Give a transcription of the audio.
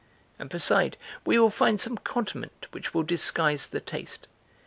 And beside, we will find some condiment which will disguise the taste!